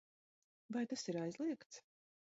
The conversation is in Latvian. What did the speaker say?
Vai tas ir aizliegts?